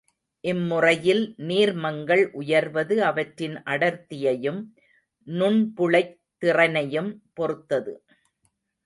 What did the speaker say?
இம்முறையில் நீர்மங்கள் உயர்வது அவற்றின் அடர்த்தியையும் நுண்புழைத் திறனையும் பொறுத்தது.